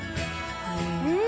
うん！